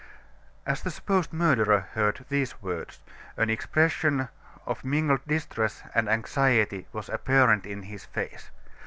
As the supposed murderer heard these words, an expression of mingled distress and anxiety was apparent in his face.